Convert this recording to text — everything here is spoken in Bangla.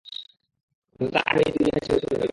কিন্তু তার আগেই দুনিয়া ছেড়ে চলে গেলো!